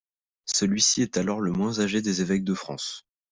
Celui-ci est alors le moins âgé des évêques de France.